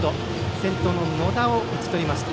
先頭の野田を打ち取りました。